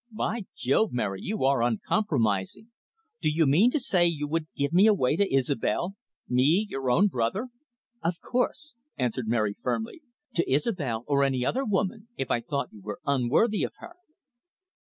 "By Jove, Mary, you are uncompromising. Do you mean to say you would give me away to Isobel me, your own brother?" "Of course," answered Mary firmly. "To Isobel, or any other woman, if I thought you were unworthy of her."